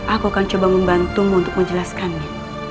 aku akan coba membantumu untuk menjelaskannya